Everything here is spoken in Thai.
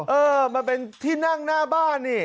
เออมันเป็นที่นั่งหน้าบ้านนี่